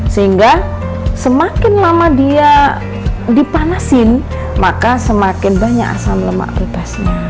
sehingga semakin lama dia dipanasin maka semakin banyak asam lemak bebasnya